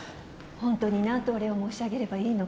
ホントに何とお礼を申し上げればいいのか。